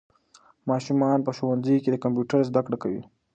ماشومان په ښوونځیو کې د کمپیوټر زده کړه کوي.